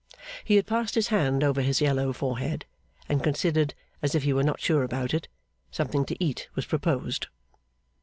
He had passed his hand over his yellow forehead and considered, as if he were not sure about it. Something to eat was proposed.